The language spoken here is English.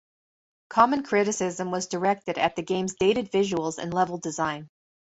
Common criticism was directed at the game's dated visuals and level design.